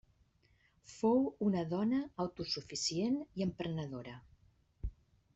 Fou una dona autosuficient i emprenedora.